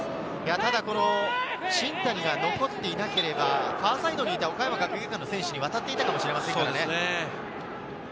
ただ、新谷が残っていなければ、ファーサイドにいた岡山学芸館の選手に渡っていたかもしれませんからね。